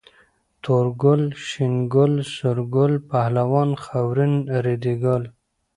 تور ګل، شين ګل، سور ګل، پهلوان، خاورين، ريدي ګل